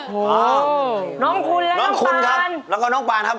โอ้โฮโอ้โฮน้องคุณและน้องป่านแล้วก็น้องป่านครับ